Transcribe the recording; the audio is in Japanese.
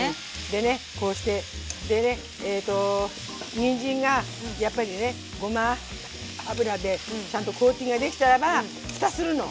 でねこうしてでねえとにんじんがやっぱりねごま油でちゃんとコーティングができたらば蓋するの。